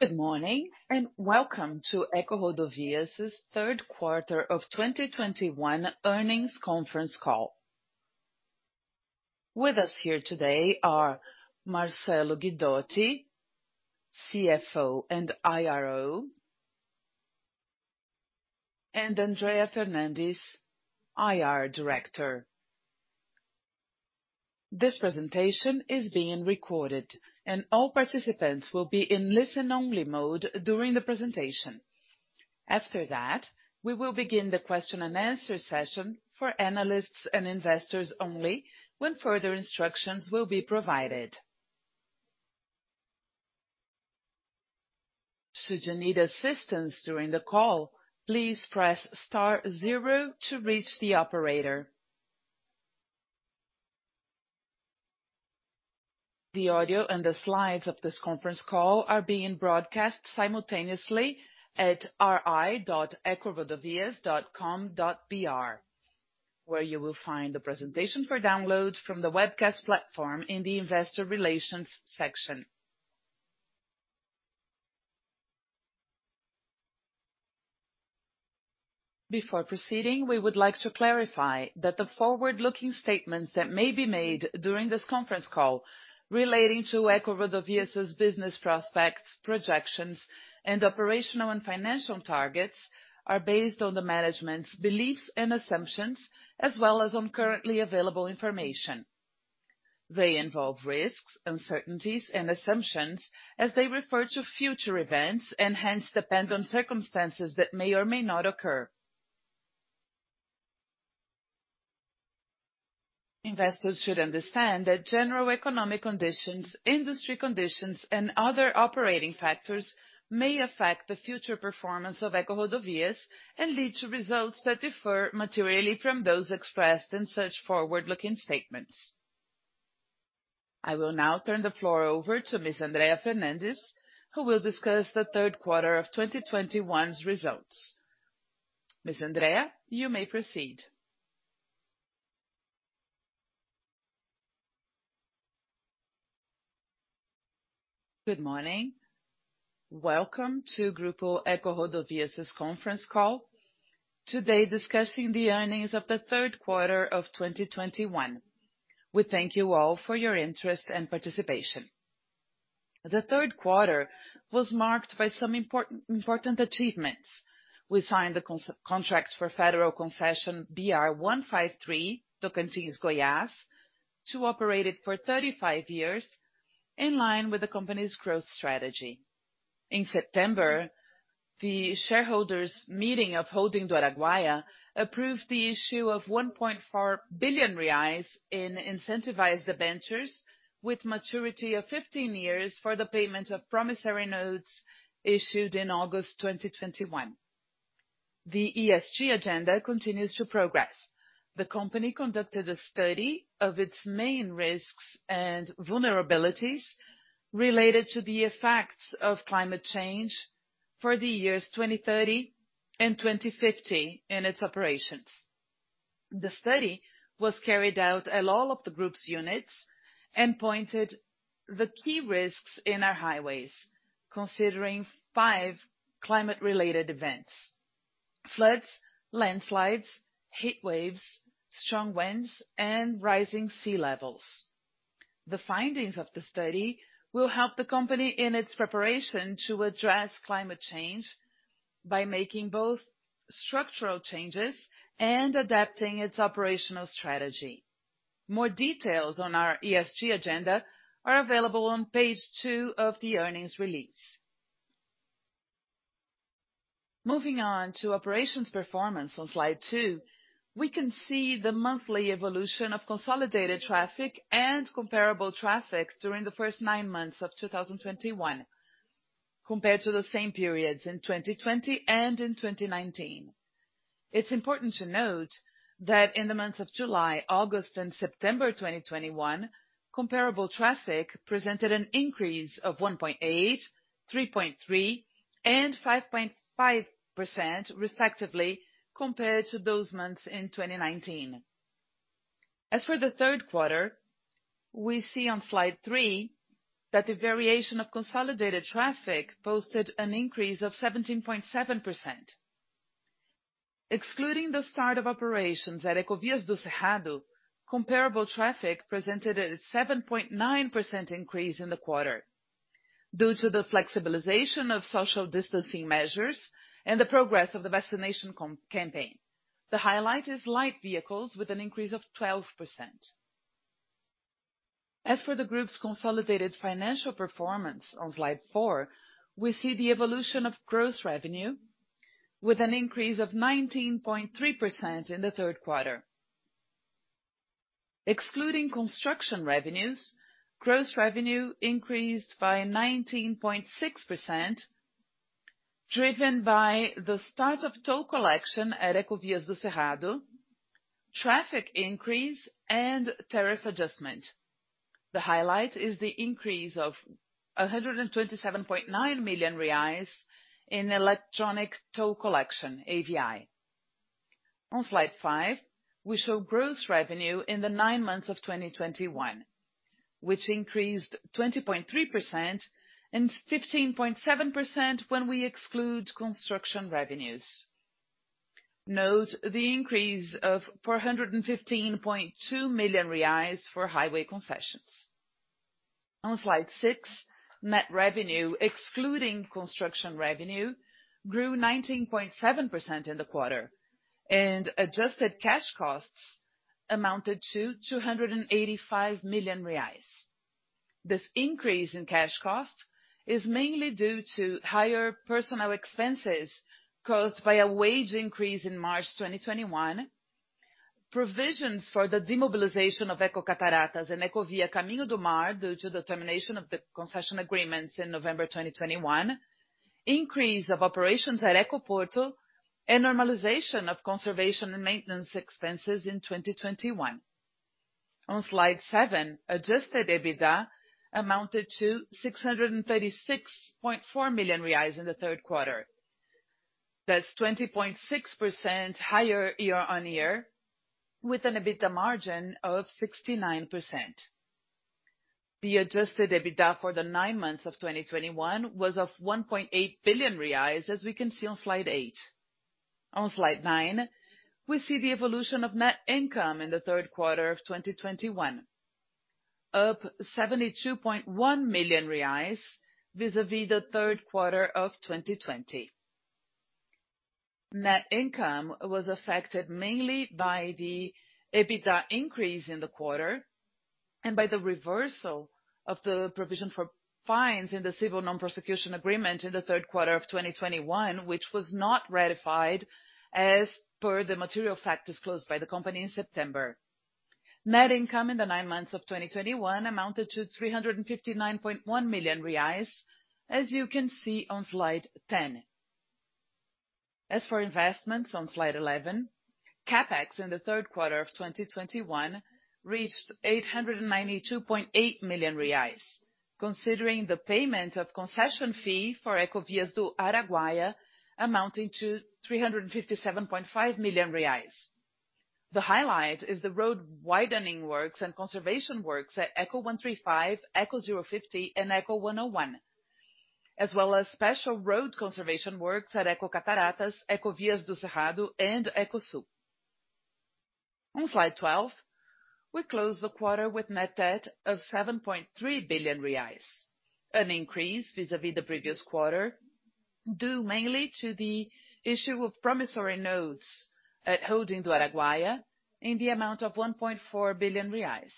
Good morning, and welcome to EcoRodovias' third quarter of 2021 earnings conference call. With us here today are Marcello Guidotti, CFO and IRO, and Andrea Fernandes, IR Director. This presentation is being recorded and all participants will be in listen-only mode during the presentation. After that, we will begin the question and answer session for analysts and investors only when further instructions will be provided. Should you need assistance during the call, please press star zero to reach the operator. The audio and the slides of this conference call are being broadcast simultaneously at ri.ecorodovias.com.br where you will find the presentation for download from the webcast platform in the investor relations section. Before proceeding, we would like to clarify that the forward-looking statements that may be made during this conference call relating to EcoRodovias' business prospects, projections, and operational and financial targets are based on the management's beliefs and assumptions, as well as on currently available information. They involve risks, uncertainties, and assumptions as they refer to future events and hence depend on circumstances that may or may not occur. Investors should understand that general economic conditions, industry conditions, and other operating factors may affect the future performance of EcoRodovias and lead to results that differ materially from those expressed in such forward-looking statements. I will now turn the floor over to Ms. Andrea Fernandes, who will discuss the third quarter of 2021's results. Ms. Andrea, you may proceed. Good morning. Welcome to Grupo EcoRodovias' conference call, today discussing the earnings of the third quarter of 2021. We thank you all for your interest and participation. The third quarter was marked by some important achievements. We signed the contract for federal concession BR-153, Tocantins-Goiás, to operate it for 35 years in line with the company's growth strategy. In September, the shareholders meeting of Holding do Araguaia approved the issue of 1.4 billion reais in incentivized debentures with maturity of 15 years for the payment of promissory notes issued in August 2021. The ESG agenda continues to progress. The company conducted a study of its main risks and vulnerabilities related to the effects of climate change for the years 2030 and 2050 in its operations. The study was carried out at all of the group's units and pointed the key risks in our highways, considering five climate-related events: floods, landslides, heat waves, strong winds, and rising sea levels. The findings of the study will help the company in its preparation to address climate change by making both structural changes and adapting its operational strategy. More details on our ESG agenda are available on page two of the earnings release. Moving on to operations performance on slide two, we can see the monthly evolution of consolidated traffic and comparable traffic during the first nine months of 2021 compared to the same periods in 2020 and in 2019. It's important to note that in the months of July, August, and September 2021, comparable traffic presented an increase of 1.8%, 3.3%, and 5.5%, respectively, compared to those months in 2019. As for the third quarter, we see on slide three that the variation of consolidated traffic posted an increase of 17.7%. Excluding the start of operations at Ecovias do Cerrado, comparable traffic presented a 7.9% increase in the quarter due to the flexibilization of social distancing measures and the progress of the vaccination campaign. The highlight is light vehicles with an increase of 12%. As for the group's consolidated financial performance on slide four, we see the evolution of gross revenue with an increase of 19.3% in the third quarter. Excluding construction revenues, gross revenue increased by 19.6%, driven by the start of toll collection at Ecovias do Cerrado, traffic increase, and tariff adjustment. The highlight is the increase of 127.9 million reais in electronic toll collection, AVI. On slide five, we show gross revenue in the nine months of 2021, which increased 20.3% and 15.7% when we exclude construction revenues. Note the increase of 415.2 million reais for highway concessions. On slide six, net revenue, excluding construction revenue, grew 19.7% in the quarter and adjusted cash costs amounted to 285 million reais. This increase in cash cost is mainly due to higher personnel expenses caused by a wage increase in March 2021, provisions for the demobilization of Ecocataratas and Ecovia Caminho do Mar due to the termination of the concession agreements in November 2021, increase of operations at Ecoporto, and normalization of conservation and maintenance expenses in 2021. On slide seven, adjusted EBITDA amounted to 636.4 million reais in the third quarter. That's 20.6% higher year-on-year with an EBITDA margin of 69%. The adjusted EBITDA for the nine months of 2021 was of 1.8 billion reais, as we can see on slide eight. On slide nine, we see the evolution of net income in the third quarter of 2021, up 72.1 million reais vis-à-vis the third quarter of 2020. Net income was affected mainly by the EBITDA increase in the quarter and by the reversal of the provision for fines in the civil non-prosecution agreement in the third quarter of 2021, which was not ratified as per the material factors closed by the company in September. Net income in the nine months of 2021 amounted to 359.1 million reais, as you can see on slide 10. As for investments on slide 11, CapEx in the third quarter of 2021 reached 892.8 million reais. Considering the payment of concession fee for Ecovias do Araguaia amounting to 357.5 million reais. The highlight is the road widening works and conservation works at Eco135, Eco050 and Eco101. As well as special road conservation works at Ecocataratas, Ecovias do Cerrado and Ecosul. On slide 12, we closed the quarter with net debt of 7.3 billion reais. An increase vis-à-vis the previous quarter, due mainly to the issue of promissory notes at Holding do Araguaia in the amount of 1.4 billion reais.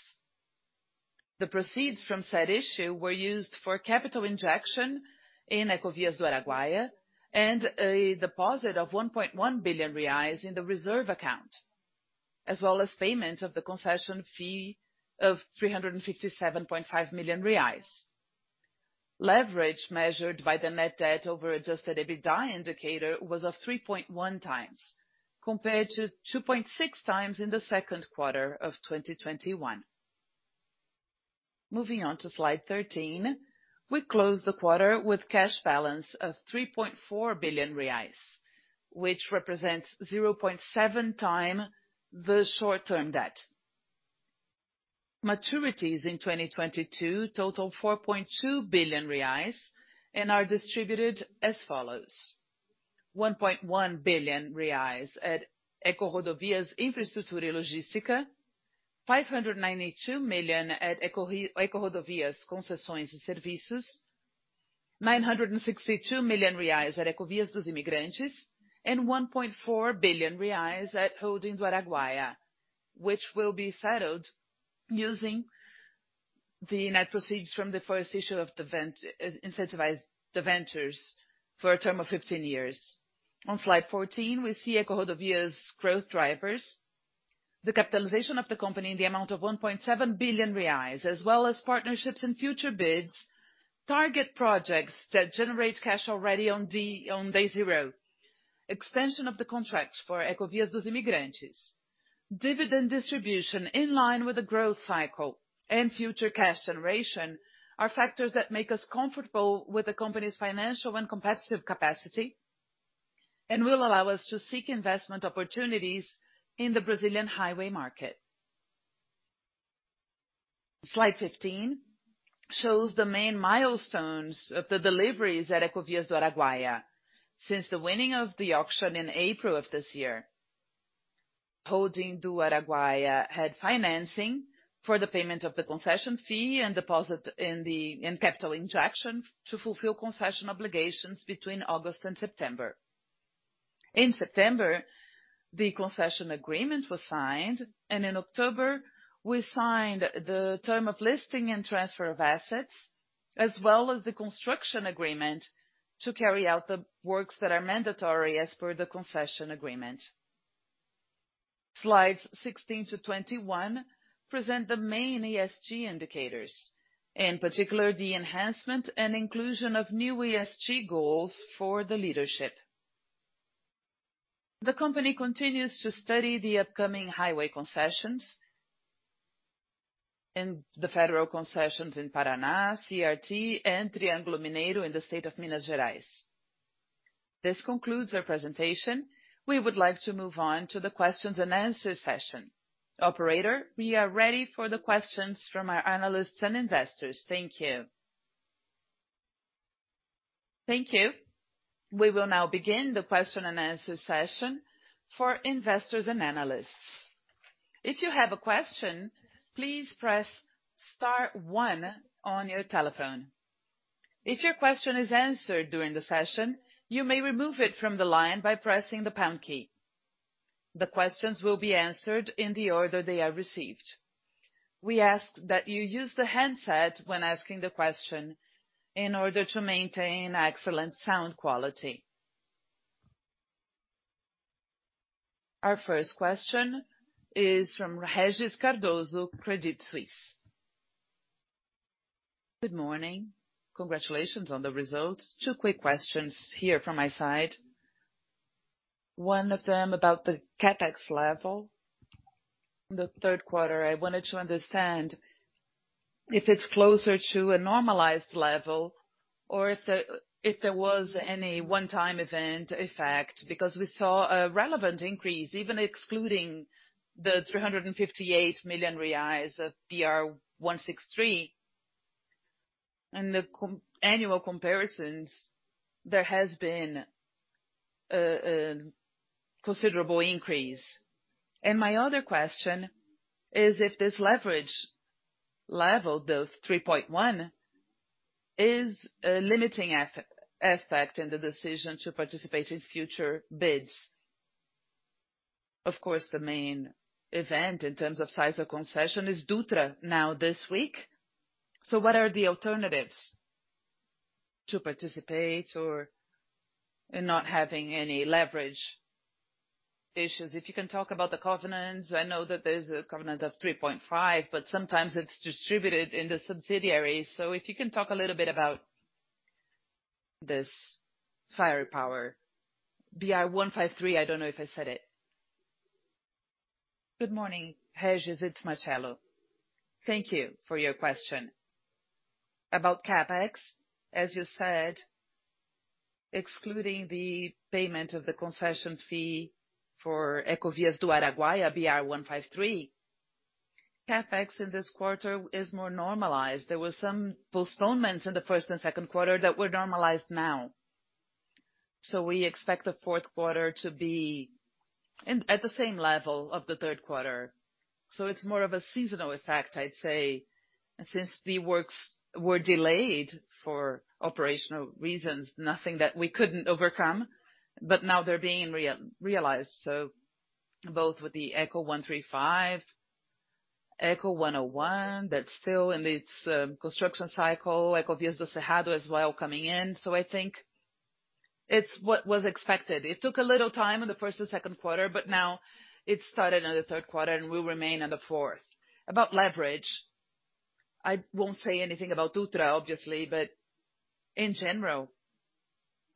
The proceeds from said issue were used for capital injection in Ecovias do Araguaia and a deposit of 1.1 billion reais in the reserve account, as well as payment of the concession fee of 357.5 million reais. Leverage measured by the net debt over adjusted EBITDA indicator was of 3.1 times, compared to 2.6 times in the second quarter of 2021. Moving on to slide 13, we closed the quarter with cash balance of 3.4 billion reais, which represents 0.7x the short-term debt. Maturities in 2022 total 4.2 billion reais and are distributed as follows: 1.1 billion reais at EcoRodovias Infraestrutura e Logística, 592 million at EcoRodovias Concessões e Serviços, 962 million reais at Ecovias dos Imigrantes, and 1.4 billion reais at Holding do Araguaia, which will be settled using the net proceeds from the first issue of the incentivized debentures for a term of 15 years. On Slide 14, we see EcoRodovias growth drivers. The capitalization of the company in the amount of 1.7 billion reais, as well as partnerships and future bids, target projects that generate cash already on day zero. Extension of the contract for Ecovias dos Imigrantes. Dividend distribution in line with the growth cycle and future cash generation are factors that make us comfortable with the company's financial and competitive capacity and will allow us to seek investment opportunities in the Brazilian highway market. Slide 15 shows the main milestones of the deliveries at Ecovias do Araguaia since the winning of the auction in April of this year. Holding do Araguaia had financing for the payment of the concession fee and deposit and capital injection to fulfill concession obligations between August and September. In September, the concession agreement was signed, and in October, we signed the term of listing and transfer of assets as well as the construction agreement to carry out the works that are mandatory as per the concession agreement. Slides 16 to 21 present the main ESG indicators, in particular, the enhancement and inclusion of new ESG goals for the leadership. The company continues to study the upcoming highway concessions and the federal concessions in Paraná, CRT, and Triângulo Mineiro in the state of Minas Gerais. This concludes our presentation. We would like to move on to the questions and answer session. Operator, we are ready for the questions from our analysts and investors. Thank you. Thank you. We will now begin the question and answer session for investors and analysts. If you have a question, please press star one on your telephone. If your question is answered during the session, you may remove it from the line by pressing the pound key. The questions will be answered in the order they are received. We ask that you use the handset when asking the question in order to maintain excellent sound quality. Our first question is from Regis Cardoso, Credit Suisse. Good morning. Congratulations on the results. Two quick questions here from my side. One of them about the CapEx level. In the third quarter, I wanted to understand if it's closer to a normalized level or if there was any one-time event effect, because we saw a relevant increase, even excluding the 358 million reais of BR-163. In the annual comparisons, there has been a considerable increase. My other question is if this leverage level, the 3.1, is a limiting aspect in the decision to participate in future bids. Of course, the main event in terms of size of concession is Dutra now this week. What are the alternatives to participate or in not having any leverage issues? If you can talk about the covenants, I know that there's a covenant of 3.5, but sometimes it's distributed in the subsidiaries. If you can talk a little bit about this firepower. BR-153, I don't know if I said it. Good morning, Regis. It's Marcello. Thank you for your question. CapEx, as you said, excluding the payment of the concession fee for Ecovias do Araguaia, BR-153, CapEx in this quarter is more normalized. There was some postponements in the first and second quarter that were normalized now. We expect the fourth quarter to be at the same level of the third quarter. It's more of a seasonal effect, I'd say. Since the works were delayed for operational reasons, nothing that we couldn't overcome, but now they're being realized. Both with the Eco135, Eco101, that's still in its construction cycle, Ecovias do Cerrado as well coming in. I think it's what was expected. It took a little time in the first and second quarter, but now it started in the third quarter and will remain in the fourth. About leverage, I won't say anything about Dutra obviously. In general,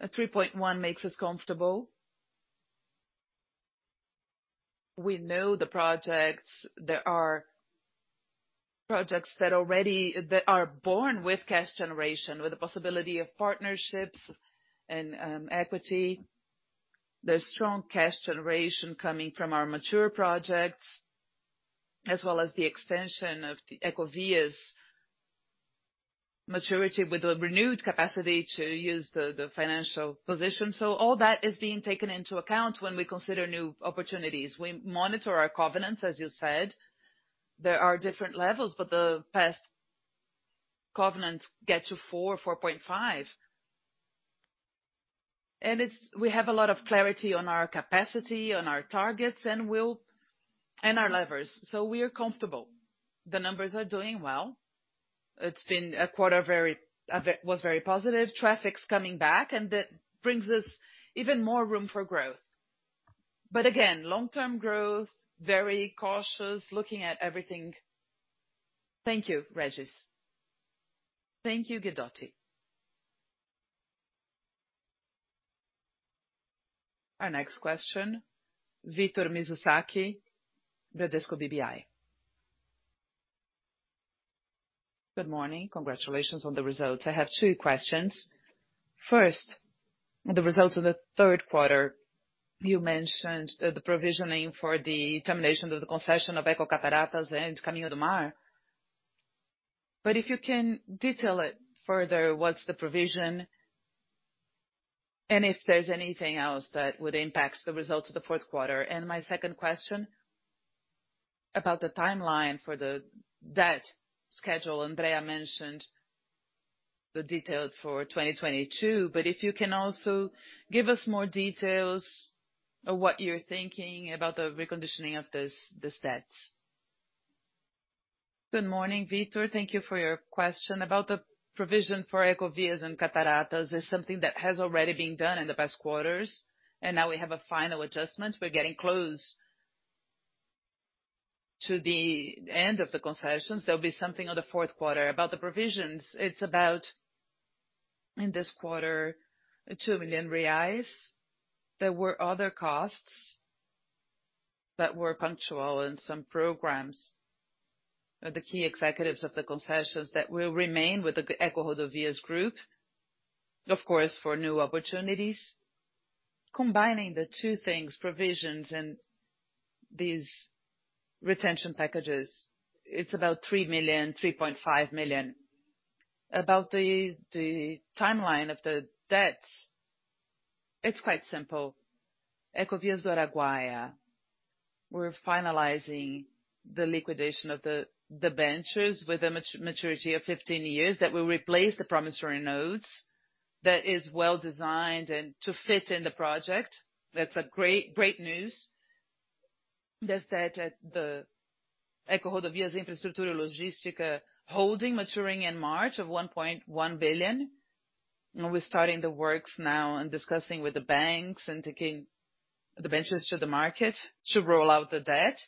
a 3.1 makes us comfortable. We know the projects. There are projects that are born with cash generation, with the possibility of partnerships and equity. There's strong cash generation coming from our mature projects, as well as the extension of the Ecovias maturity with a renewed capacity to use the financial position. All that is being taken into account when we consider new opportunities. We monitor our covenants, as you said. There are different levels. The past covenants get to 4.5. We have a lot of clarity on our capacity, on our targets, and our levers. We are comfortable. The numbers are doing well. It's been a quarter, was very positive. Traffic's coming back. That brings us even more room for growth. Again, long-term growth, very cautious, looking at everything. Thank you, Regis. Thank you, Guidotti. Our next question, Victor Mizusaki, Bradesco BBI. Good morning. Congratulations on the results. I have two questions. First, the results of the third quarter. You mentioned the provisioning for the termination of the concession of Ecocataratas and Caminho do Mar. If you can detail it further, what's the provision, and if there's anything else that would impact the results of the fourth quarter. My second question about the timeline for the debt schedule. Andrea mentioned the details for 2022, but if you can also give us more details of what you're thinking about the reconditioning of these debts. Good morning, Victor. Thank you for your question about the provision for Ecovias and Cataratas. It's something that has already been done in the past quarters, and now we have a final adjustment. We're getting close to the end of the concessions. There'll be something on the fourth quarter. About the provisions, it's about in this quarter, 2 million reais. There were other costs that were punctual in some programs. The key executives of the concessions that will remain with the EcoRodovias group, of course, for new opportunities. Combining the two things, provisions and these retention packages, it's about 3 million, 3.5 million. About the timeline of the debts, it's quite simple. Ecovias do Araguaia, we're finalizing the liquidation of dentures with a maturity of 15 years that will replace the promissory notes that is well designed and to fit in the project. That's great news. There's that at the EcoRodovias Infraestrutura e Logística holding maturing in March of 1.1 billion. We're starting the works now and discussing with the banks and taking the ventures to the market to roll out the debt.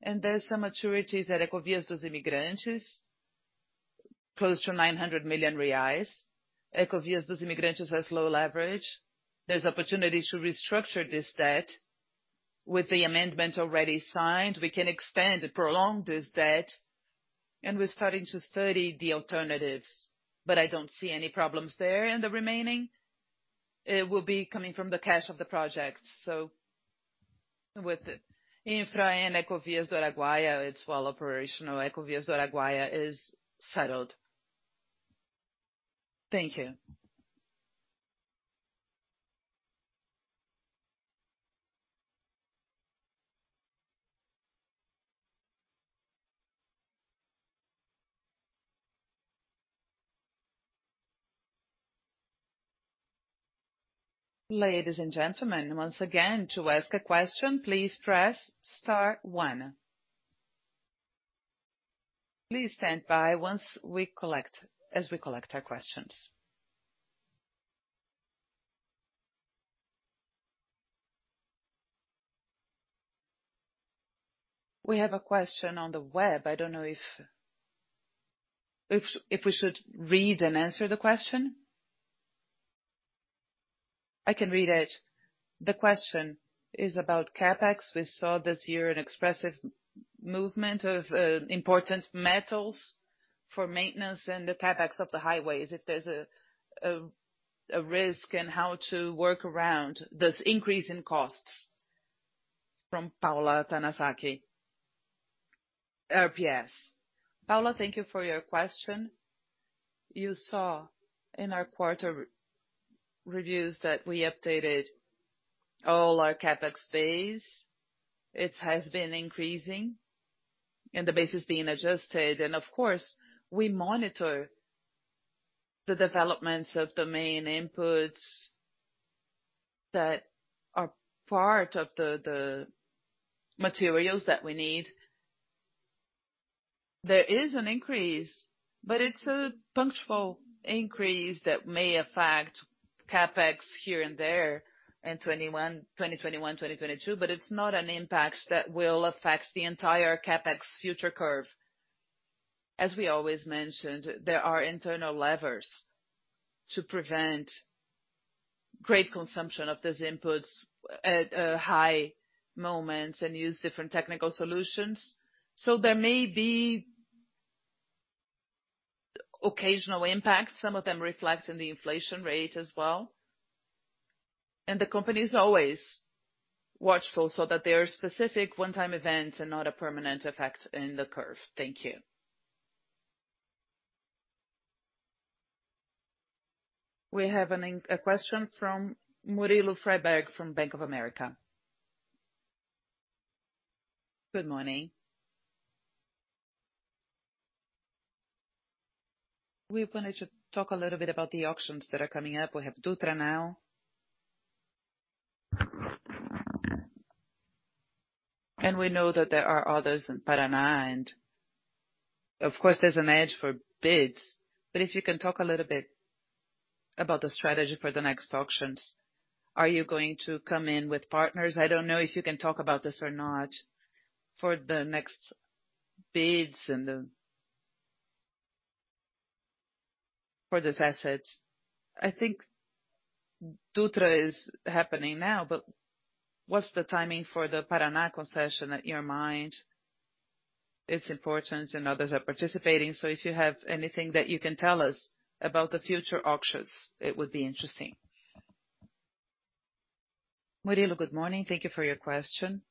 There's some maturities at Ecovias dos Imigrantes, close to 900 million reais. Ecovias dos Imigrantes has low leverage. There's opportunity to restructure this debt. With the amendment already signed, we can extend and prolong this debt, and we're starting to study the alternatives. I don't see any problems there. The remaining, it will be coming from the cash of the projects. With Infra and Ecovias do Araguaia, it's well operational. Ecovias do Araguaia is settled. Thank you. Ladies and gentlemen, once again, to ask a question, please press star one. Please stand by as we collect our questions. We have a question on the web. I don't know if we should read and answer the question. I can read it. The question is about CapEx. We saw this year an expressive movement of important metals for maintenance and the CapEx of the highways, if there's a risk and how to work around this increase in costs, from Paula Tanasaki, RPS?n Paula, thank you for your question. You saw in our quarter reviews that we updated all our CapEx base. It has been increasing, and the base is being adjusted. Of course, we monitor the developments of the main inputs that are part of the materials that we need. There is an increase, but it's a punctual increase that may affect CapEx here and there in 2021, 2022, but it's not an impact that will affect the entire CapEx future curve. As we always mentioned, there are internal levers to prevent great consumption of those inputs at high moments and use different technical solutions. There may be occasional impact. Some of them reflect in the inflation rate as well. The company is always watchful so that there are specific one-time events and not a permanent effect in the curve. Thank you. We have a question from Murilo Freiberger from Bank of America. Good morning. We wanted to talk a little bit about the auctions that are coming up. We have Dutra now. We know that there are others in Paraná and of course, there's an edge for bids. If you can talk a little bit about the strategy for the next auctions. Are you going to come in with partners? I don't know if you can talk about this or not for the next bids and for these assets. I think Dutra is happening now, but what's the timing for the Paraná concession at your mind? It's important and others are participating. If you have anything that you can tell us about the future auctions, it would be interesting. Murilo, good morning. Thank you for your question.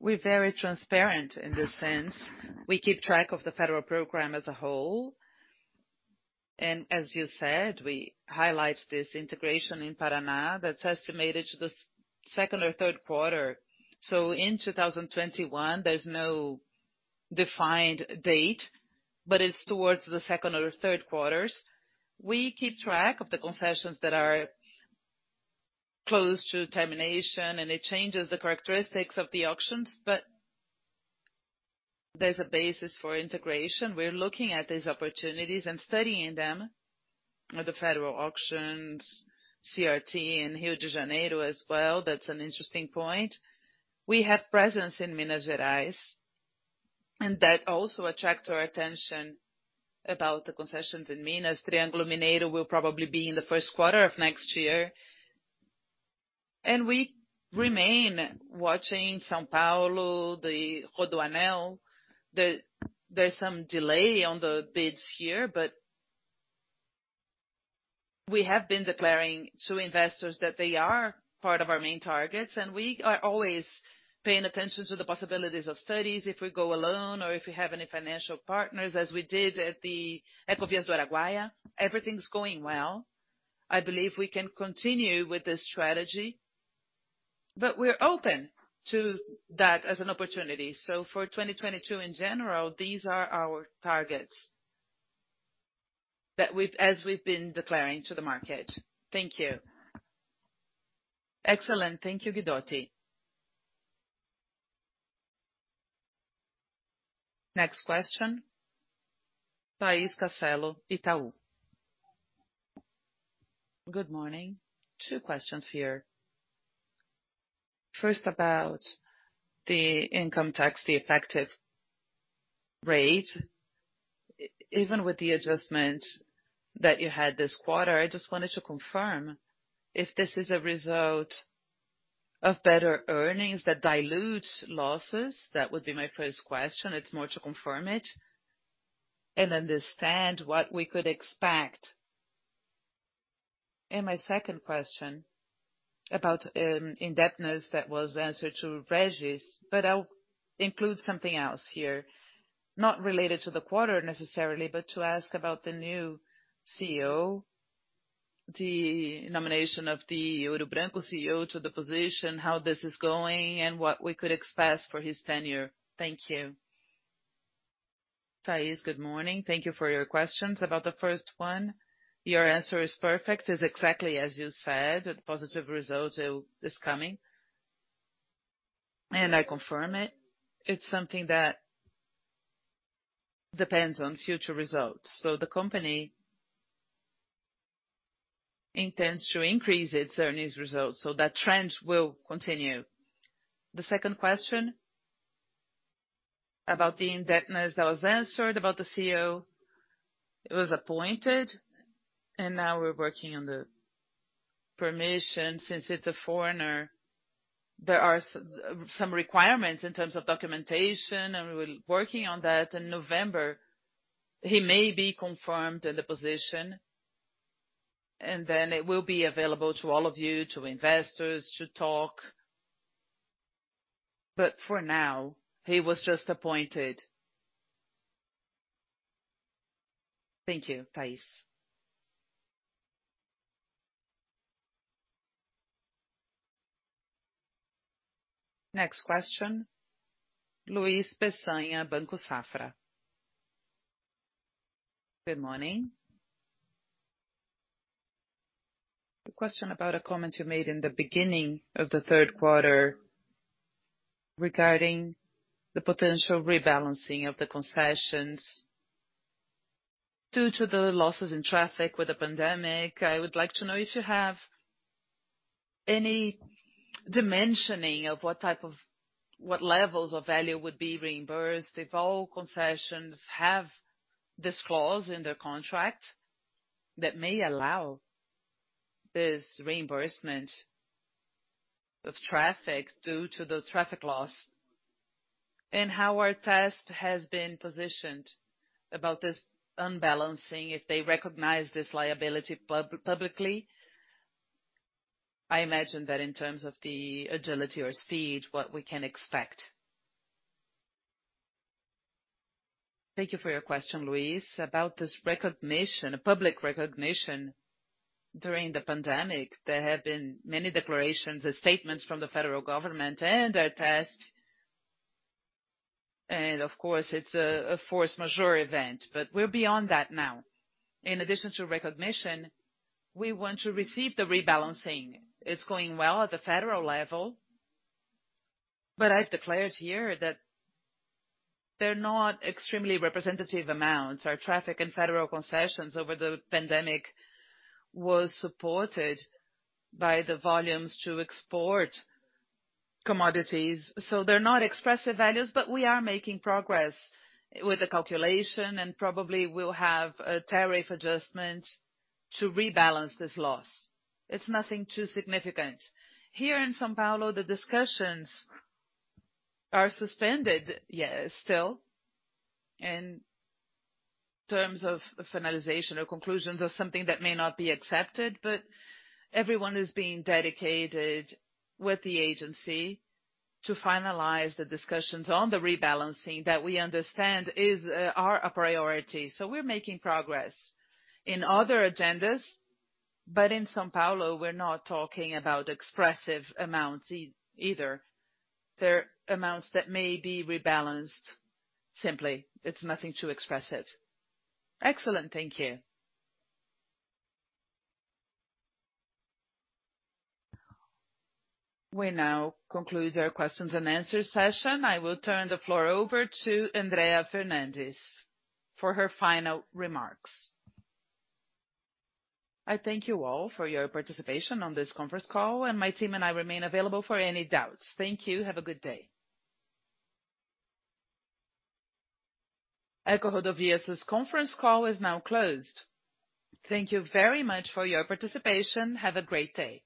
We're very transparent in this sense. We keep track of the federal program as a whole. As you said, we highlight this integration in Paraná that's estimated to the second or third quarter. In 2021, there's no defined date, but it's towards the second or third quarters. We keep track of the concessions that are close to termination, and it changes the characteristics of the auctions, but there's a basis for integration. We're looking at these opportunities and studying them with the federal auctions, CRT in Rio de Janeiro as well. That's an interesting point. We have presence in Minas Gerais. That also attract our attention about the concessions in Minas. Triângulo Mineiro will probably be in the first quarter of next year. We remain watching São Paulo, the Rodoanel. There's some delay on the bids here, but we have been declaring to investors that they are part of our main targets, and we are always paying attention to the possibilities of studies if we go alone or if we have any financial partners, as we did at the Ecovias do Araguaia. Everything's going well. I believe we can continue with this strategy, but we're open to that as an opportunity. For 2022, in general, these are our targets as we've been declaring to the market. Thank you. Excellent. Thank you, Guidotti. Next question, Thais Cascello, Itaú. Good morning. Two questions here. First, about the income tax, the effective rate. Even with the adjustment that you had this quarter, I just wanted to confirm if this is a result of better earnings that dilute losses. That would be my first question. It's more to confirm it and understand what we could expect. My second question about indebtedness that was the answer to Regis, but I'll include something else here, not related to the quarter necessarily, but to ask about the new CEO, the nomination of the Ouro Branco CEO to the position, how this is going, and what we could expect for his tenure. Thank you. Thais, good morning. Thank you for your questions. About the first one, your answer is perfect. It's exactly as you said, positive result is coming. I confirm it. It's something that depends on future results. The company intends to increase its earnings results so that trend will continue. The second question about the indebtedness that was answered. About the CEO, he was appointed. Now we're working on the permission since he's a foreigner. There are some requirements in terms of documentation. We're working on that. In November, he may be confirmed in the position. Then it will be available to all of you, to investors to talk. For now, he was just appointed. Thank you, Thais. Next question, Luiz Peçanha, Banco Safra. Good morning. A question about a comment you made in the beginning of the third quarter regarding the potential rebalancing of the concessions due to the losses in traffic with the pandemic. I would like to know if you have any dimensioning of what levels of value would be reimbursed if all concessions have this clause in their contract that may allow this reimbursement of traffic due to the traffic loss. How ARTESP has been positioned about this unbalancing if they recognize this liability publicly? I imagine that in terms of the agility or speed, what we can expect. Thank you for your question, Luiz. About this recognition, a public recognition during the pandemic, there have been many declarations and statements from the federal government and ARTESP. Of course, it's a force majeure event. We're beyond that now. In addition to recognition, we want to receive the rebalancing. It's going well at the federal level. I've declared here that they're not extremely representative amounts. Our traffic and federal concessions over the pandemic was supported by the volumes to export commodities. They're not expressive values, but we are making progress with the calculation and probably will have a tariff adjustment to rebalance this loss. It's nothing too significant. Here in São Paulo, the discussions are suspended still in terms of finalization or conclusions or something that may not be accepted, but everyone is being dedicated with the agency to finalize the discussions on the rebalancing that we understand are a priority. We're making progress in other agendas, but in São Paulo, we're not talking about expressive amounts either. They're amounts that may be rebalanced simply. It's nothing too expressive. Excellent. Thank you. We now conclude our questions and answer session. I will turn the floor over to Andrea Fernandes for her final remarks. I thank you all for your participation on this conference call, and my team and I remain available for any doubts. Thank you. Have a good day. EcoRodovias' conference call is now closed. Thank you very much for your participation. Have a great day.